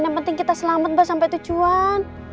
yang penting kita selamat mbak sampai tujuan